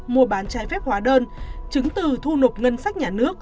mua bán trái phép hóa đơn chứng từ thu nộp ngân sách nhà nước